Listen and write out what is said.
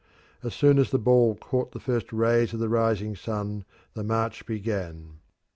As soon as the ball caught the first rays of the rising sun the march began.